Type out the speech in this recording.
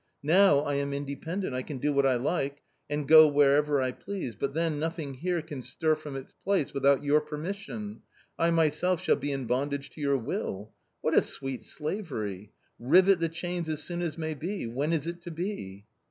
Now I am incIependefiV 1 "Can do what I like, and go wherever I please, but then nothing here can stir from its place with out your permission ; I myself shall be in bondage to your will. What a sweet slavery ! Rivet the chains as soon as may be ; when is it to be